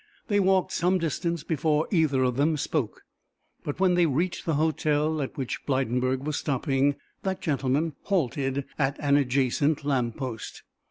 They walked some distance before either of them spoke, but when they reached the hotel at which Blydenburg was stopping, that gentleman halted at an adjacent lamp post.